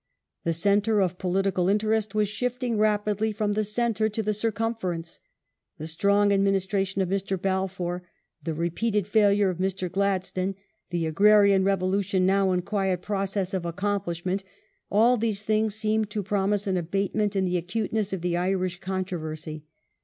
The centre of political interest was shifting rapidly from the centre to the circumference. The strong administration of Mr. Balfour, the repeated failure of Mr. Glad stone, the agrarian revolution now in quiet process of accomplish ment— all these things seemed to promise an abatement in the acuteness of the Irish controversy.